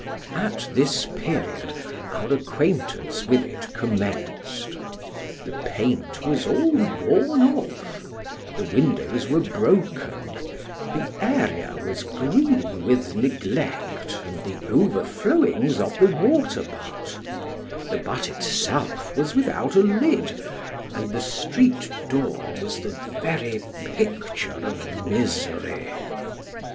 At this period our acquaintance with it commenced ; the paint was all worn off; the windows were broken, the area was green with neglect and the overflowings of the water butt ; the butt itself was without a lid, and the street door was the very picture of misery.